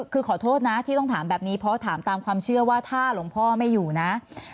คือขอโทษนะที่ต้องถามแบบนี้เพราะถามตามความเชื่อว่าถ้าหลวงพ่อไม่อยู่นะ